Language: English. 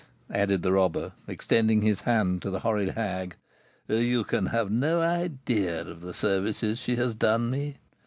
added the robber, extending his hand to the horrid hag. "You can have no idea of the services she has done me.